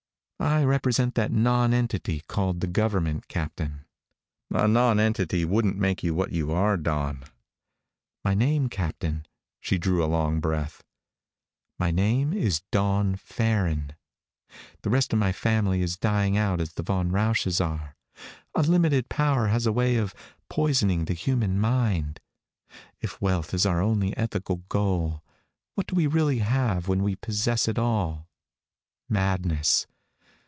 "I represent that nonentity called the government, Captain." "A nonentity wouldn't make you what you are, Dawn." "My name, Captain " She drew a long breath. "My name is Dawn Farren. The rest of my family is dying out as the Von Rausches are. Unlimited power has a way of poisoning the human mind. If wealth is our only ethical goal, what do we really have when we possess it all? Madness.